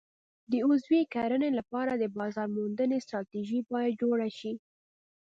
د عضوي کرنې لپاره د بازار موندنې ستراتیژي باید جوړه شي.